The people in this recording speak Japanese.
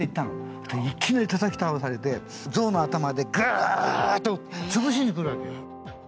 そしたらいきなりたたき倒されて、象の頭でぐーってつぶしにくるわけね。